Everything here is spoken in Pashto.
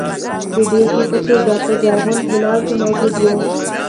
د بېلګې په توګه په زرغون هلال کې موجود وو.